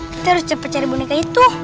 kita harus cepat cari boneka itu